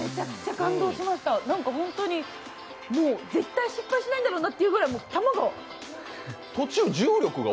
本当にもう絶対失敗しないんだろうなというくらい、玉が。